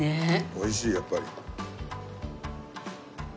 美味しいやっぱり。